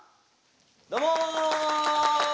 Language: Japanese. どうも。